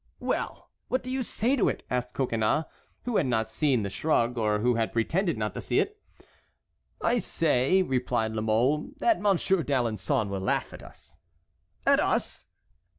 "Well! what do you say to it?" asked Coconnas, who had not seen the shrug, or who had pretended not to see it. "I say," replied La Mole, "that Monsieur d'Alençon will laugh at us." "At us?"